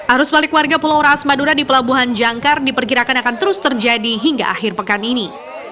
arus balik warga pulau raas madura di pelabuhan jangkar diperkirakan akan terus terjadi hingga akhir pekan ini